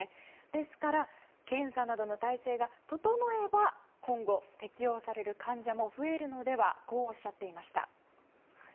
ですから検査などの体制が整えば今後、適用される患者も増えるのではとおっしゃっていました。